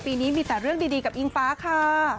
ปีนี้มีแต่เรื่องดีกับอิงฟ้าค่ะ